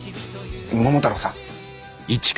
桃太郎さん。